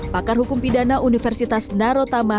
pakar hukum pidana universitas narotama